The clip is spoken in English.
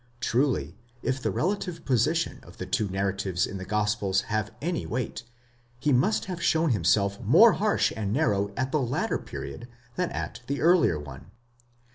Truly if the relative position of the two narratives in the gospels have any weight, he must have shown himself more harsh and narrow at the later period than at the earlier one.